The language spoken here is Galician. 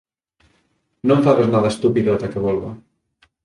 Non fagas nada estúpido ata que volva.